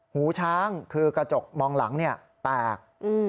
หูช้างคือกระจกมองหลังแตก